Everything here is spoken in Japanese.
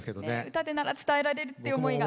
歌でなら伝えられるって思いが。